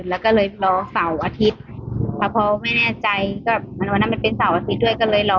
แล้วก็เลยรอเสาร์อาทิตย์พอไม่แน่ใจก็วันนั้นมันเป็นเสาร์อาทิตย์ด้วยก็เลยรอ